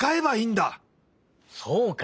そうか。